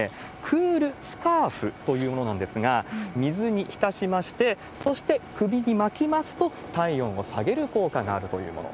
クールスカーフというものなんですが、水に浸しまして、そして首に巻きますと、体温を下げる効果があるというもの。